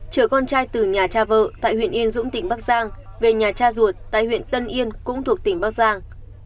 chở con trai từ nhà cha vợ tại huyện yên dũng tỉnh bắc giang về nhà cha ruột tại huyện tân yên cũng thuộc tỉnh bắc giang